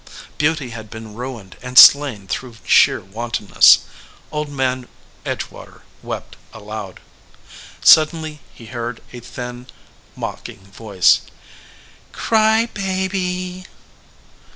Beauty had been ruined and slain through sheer wanton ness. Old Man Edgewater wept aloud. Suddenly he heard a thin, mocking voice, "Cry baby."